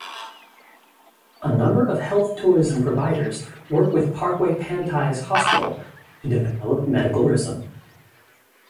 A number of health-tourism providers work with Parkway Pantai's hospitals to develop medical tourism.